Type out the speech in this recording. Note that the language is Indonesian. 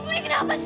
ibu ini kenapa sih